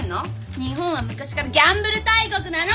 日本は昔からギャンブル大国なの。